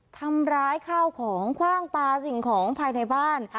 ทำร้ายข้าวของคว่างปลาสิ่งของภายในบ้าน